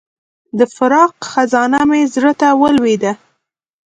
د فراق خزانه مې زړه ته ولوېده.